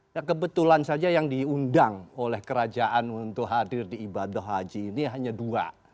ya kebetulan saja yang diundang oleh kerajaan untuk hadir di ibadah haji ini hanya dua